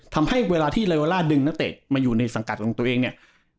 ทำให้เวลาที่เลวาล่าดึงนักเตะมาอยู่ในสังกัดของตัวเองเนี่ย